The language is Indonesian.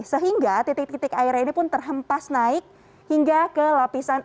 sehingga titik titik airnya ini pun terhempas naik hingga ke lapisan